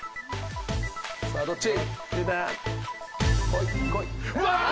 さあどっち？